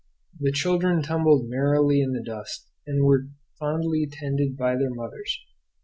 The children tumbled merrily in the dust, and were fondly tended by their mothers.